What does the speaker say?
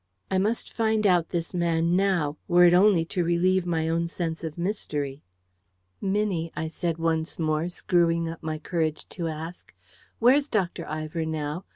I must find out this man now, were it only to relieve my own sense of mystery. "Minnie," I said once more, screwing up my courage to ask, "where's Dr. Ivor now?